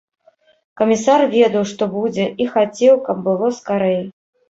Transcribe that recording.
Камісар ведаў, што будзе, і хацеў, каб было скарэй.